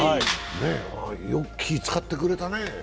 よく気を使ってくれたね。